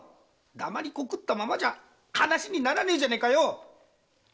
黙りこくったままじゃ話にならねえじゃねえかよ。